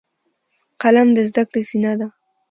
قلم د زده کړې زینه ده